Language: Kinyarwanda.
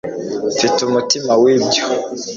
mfite umuti wibyo